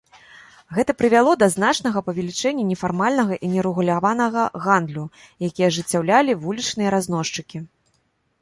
Гэта прывяло да значнага павелічэння нефармальнага і нерэгуляванага гандлю, які ажыццяўлялі вулічныя разносчыкі.